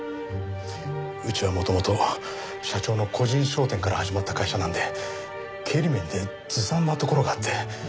うちは元々社長の個人商店から始まった会社なんで経理面でずさんなところがあって。